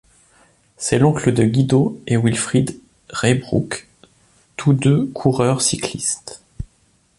C'est l'oncle de Guido et Wilfried Reybrouck, tous deux coureurs cyclistes.